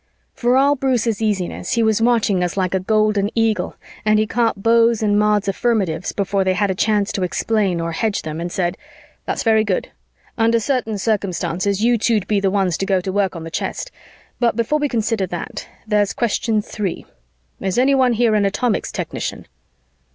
For all Bruce's easiness, he was watching us like a golden eagle and he caught Beau's and Maud's affirmatives before they had a chance to explain or hedge them and said, "That's very good. Under certain circumstances, you two'd be the ones to go to work on the chest. But before we consider that, there's Question Three: Is anyone here an atomics technician?"